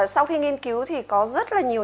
sau khi nghiên cứu thì có rất là nhiều